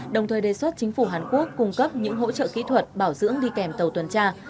đồng thời đề xuất chính phủ hàn quốc cung cấp những hỗ trợ kỹ thuật bảo dưỡng đi kèm tàu tuần tra